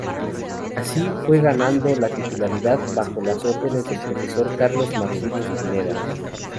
Así se fue ganando la titularidad bajo las órdenes del profesor Carlos Martínez Pineda.